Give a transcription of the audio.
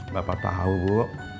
bapak tau bu